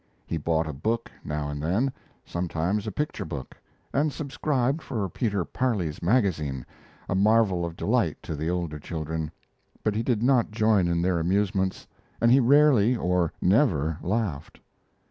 He bought a book now and then sometimes a picture book and subscribed for Peter Parley's Magazine, a marvel of delight to the older children, but he did not join in their amusements, and he rarely, or never, laughed.